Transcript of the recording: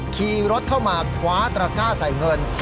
ขี่รถเข้ามาคว้าตระก้าใส่เงิน